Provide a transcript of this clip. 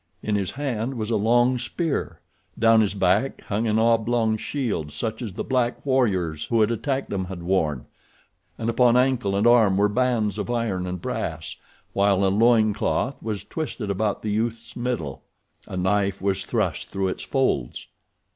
In his hand was a long spear, down his back hung an oblong shield such as the black warriors who had attacked them had worn, and upon ankle and arm were bands of iron and brass, while a loin cloth was twisted about the youth's middle. A knife was thrust through its folds.